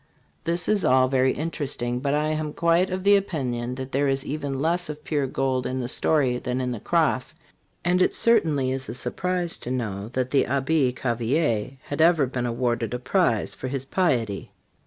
This is all very interesting, but I am quite of the opinion that there is even less of pure gold in the story than in the cross ; and it certainly is a surprise to know that the Abbe Cavelier had ever been awarded a prize for his piety.